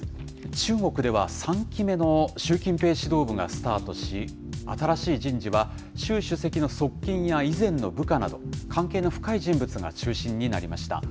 中国では３期目の習近平指導部がスタートし、新しい人事は、習主席の側近や以前の部下など、関係の深い人物が中心になりました。